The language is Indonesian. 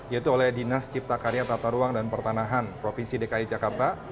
yaitu oleh dinas cipta karya tata ruang dan pertanahan provinsi dki jakarta